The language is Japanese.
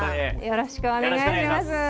よろしくお願いします。